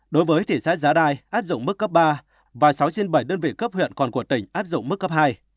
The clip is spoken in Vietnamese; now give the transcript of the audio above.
đối với thị xã giá rai áp dụng mức cấp ba và sáu trên bảy đơn vị cấp huyện còn của tỉnh áp dụng mức cấp hai